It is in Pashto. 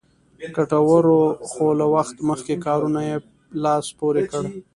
ګټورو خو له وخت مخکې کارونو یې لاس پورې کړ.